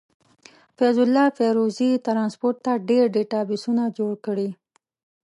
فيض الله فيروزي ټرانسپورټ ته ډير ډيټابسونه جوړ کړي.